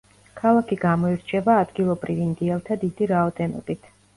ქალაქი გამოირჩევა ადგილობრივ ინდიელთა დიდი რაოდენობით.